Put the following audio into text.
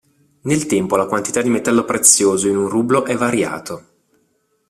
Nel tempo la quantità di metallo prezioso in un rublo è variato.